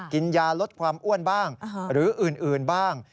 กินยาลดความอ้วนบ้างหรืออื่นบ้าง